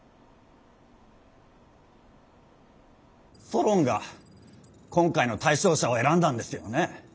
ソロンが今回の対象者を選んだんですよね？